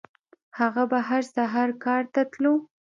هغه به هر سهار کار ته تلو.